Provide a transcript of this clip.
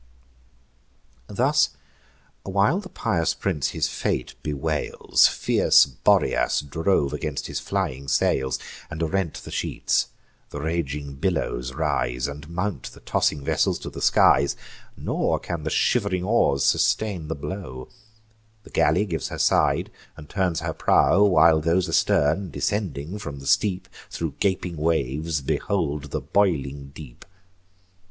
Thus while the pious prince his fate bewails, Fierce Boreas drove against his flying sails, And rent the sheets; the raging billows rise, And mount the tossing vessels to the skies: Nor can the shiv'ring oars sustain the blow; The galley gives her side, and turns her prow; While those astern, descending down the steep, Thro' gaping waves behold the boiling deep.